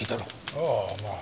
ああまあ。